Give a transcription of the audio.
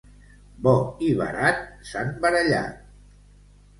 Bo i barat s'han barallat.